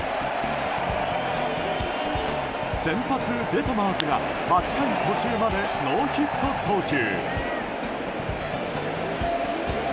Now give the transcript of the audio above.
先発デトマーズが８回途中までノーヒット投球。